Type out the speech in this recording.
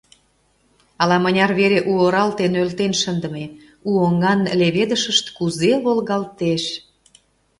Ала-мыняр вере у оралте нӧлтен шындыме, у оҥан леведышышт кузе волгалтеш!